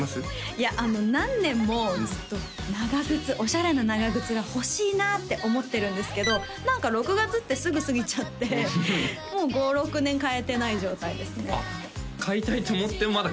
いや何年もずっと長靴オシャレな長靴が欲しいなって思ってるんですけど何か６月ってすぐ過ぎちゃってもう５６年買えてない状態ですねあっ買いたいと思ってもまだ買えてない？